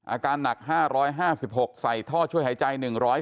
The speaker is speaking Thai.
อาการหนัก๕๕๖ใส่ท่อช่วยหายใจ๑๔